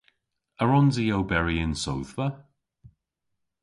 A wrons i oberi yn sodhva?